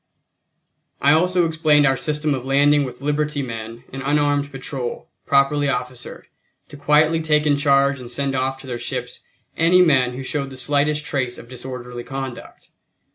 I also explained our system of landing with liberty men an unarmed patrol, properly officered, to quietly take in charge and send off to their ships any men who showed the slightest trace of disorderly conduct.